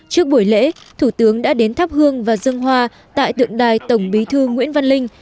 trước buổi lễ thủ tướng đã đến thắp hương và dân hoa tại tượng đài tổng bí thư nguyễn văn linh